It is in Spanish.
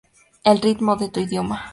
El ritmo de tu idioma.